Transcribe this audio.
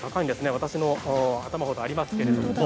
私の頭ほどあります。